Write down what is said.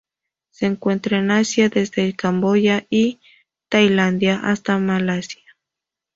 Se encuentran en Asia: desde Camboya y Tailandia hasta Malasia.